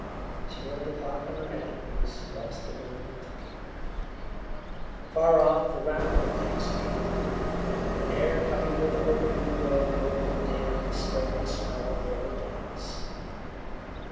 She heard the clock on the mantelpiece across the room ticking; far off, the rattle of a taxicab. The air coming through the open window bore the damp, stirring smell of early grass.